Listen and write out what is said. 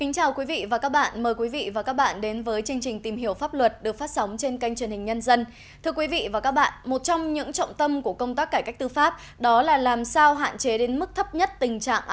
cảm ơn các bạn đã theo dõi